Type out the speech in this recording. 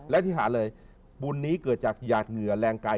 และที่หาเลยบุญนี้เกิดจากหยาดเหงื่อแรงกาย